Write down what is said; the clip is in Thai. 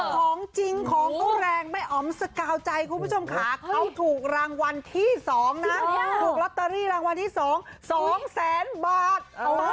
ของจริงของก็แรงแม่อ๋อมสกาวใจคุณผู้ชมค่ะเขาถูกรางวัลที่๒นะถูกลอตเตอรี่รางวัลที่๒๒แสนบาท